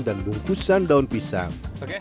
dan bungkusan daun pisang